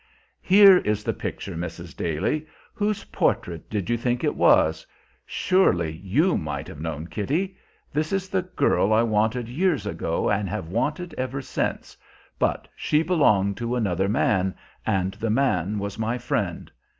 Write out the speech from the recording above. "Here is the picture, Mrs. Daly. Whose portrait did you think it was? Surely you might have known, Kitty! This is the girl I wanted years ago and have wanted ever since; but she belonged to another man, and the man was my friend.